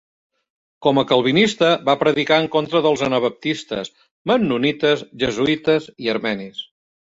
Com a Calvinista, va predicar en contra dels anabaptistes, mennonites, jesuïtes i armenis.